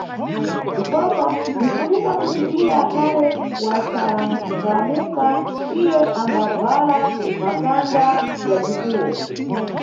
Ndipopa bzinʼfunika kuti iye akhale wa cangamuka, iye ambabvala makanda ya bzifuwo.